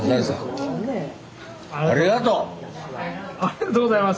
ありがとうございます！